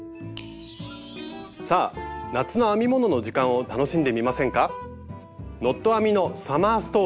さあ夏の編み物の時間を楽しんでみませんか？